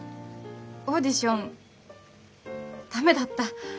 オーディション駄目だった。